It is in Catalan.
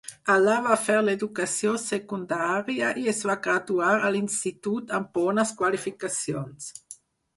Allà va fer l'educació secundària i es va graduar a l'institut amb bones qualificacions.